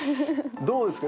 どうですか？